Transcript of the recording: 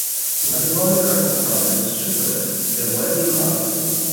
Il matrimonio è raccontato in "Superman: The Wedding Album".